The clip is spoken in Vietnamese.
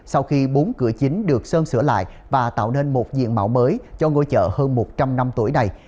sau khi bốn cửa chính được sơn sửa lại và tạo nên một diện mạo mới cho ngôi chợ hơn một trăm linh năm tuổi này